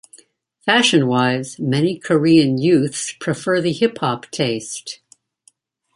Fashion wise, many Korean youths prefer the hip hop taste.